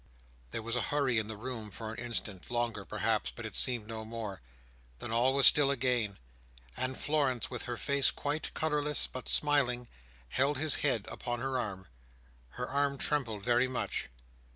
There was a hurry in the room, for an instant—longer, perhaps; but it seemed no more—then all was still again; and Florence, with her face quite colourless, but smiling, held his head upon her arm. Her arm trembled very much.